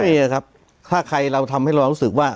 เออครับถ้าใครเราทำให้เรารู้สึกว่า